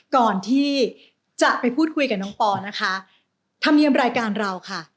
ก่อนที่จะไปพูดคุยกับน้องปอนะคะธรรมเนียมรายการเราค่ะ